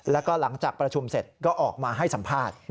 แล้วก็หลังจากประชุมเสร็จก็ออกมาให้สัมภาษณ์